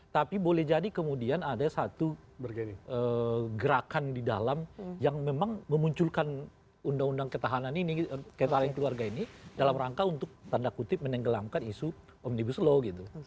tapi boleh jadi kemudian ada satu gerakan di dalam yang memang memunculkan undang undang ketahanan ini dalam rangka untuk menenggelamkan isu om dibuat